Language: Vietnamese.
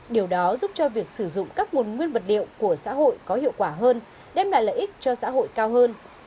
điều đó giúp cho việc sử dụng các nguồn nguyên vật liệu của xã hội có hiệu quả hơn đem lại lợi ích cho xã hội cao hơn